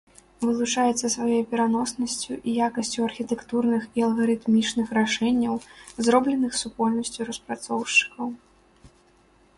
Вылучаецца сваёй пераноснасцю і якасцю архітэктурных і алгарытмічных рашэнняў, зробленых супольнасцю распрацоўшчыкаў.